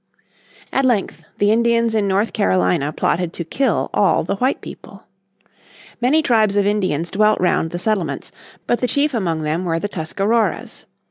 At length the Indians in North Carolina plotted to kill all the white people. Many tribes of Indians dwelt round the settlements, but the chief among them were the Tuscaroras.